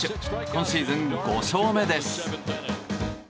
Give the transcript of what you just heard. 今シーズン５勝目です。